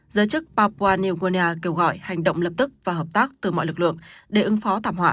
giới chức papua neogonia kêu gọi hành động lập tức và hợp tác từ mọi lực lượng để ứng phó thảm họa